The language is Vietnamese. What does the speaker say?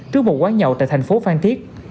trước một quán nhậu tại thành phố phan thiết